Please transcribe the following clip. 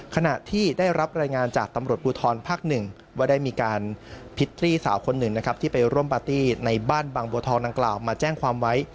ขณะที่ได้รับรายงานจากตำรวจภูทรภาคหนึ่งว่าได้มีการพิตตี้สาวคนหนึ่งนะครับที่ไปร่วมปาร์ตี้ในบ้านบางบัวทองดังกล่าวมาแจ้งความไว้